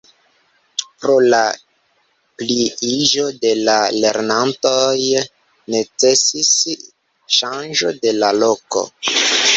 Pro la pliiĝo de la lernantoj necesis ŝanĝo de la loko.